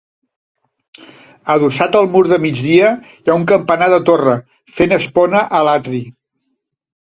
Adossat al mur de migdia hi ha un campanar de torre, fent espona a l'atri.